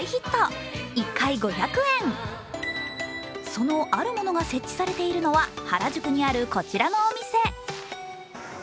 そのあるものが設置されているのは、原宿にあるこちらのお店。